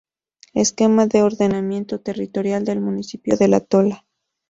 Esquema de Ordenamiento Territorial del Municipio de La Tola.